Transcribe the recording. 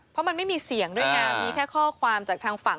เพราะมันไม่มีเสียงด้วยไงมีแค่ข้อความจากทางฝั่ง